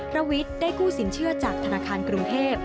ระวิทย์ได้กู้สินเชื่อจากธนาคารกรุงเทพ